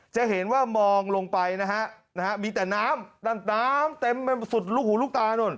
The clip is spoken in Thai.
จะเห็นว่ามองลงไปนะฮะมีแต่น้ำเต็มไปสุดลูกหูลูกตานู่น